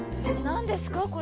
何ですか？